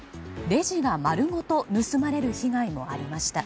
レジが丸ごと盗まれる被害もありました。